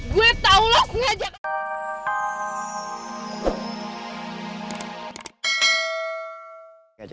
gue tau lo sengaja